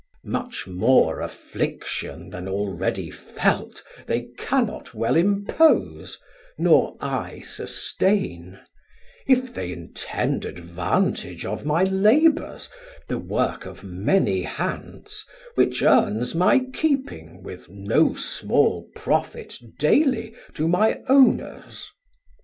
Much more affliction then already felt They cannot well impose, nor I sustain; If they intend advantage of my labours The work of many hands, which earns my keeping 1260 With no small profit daily to my owners.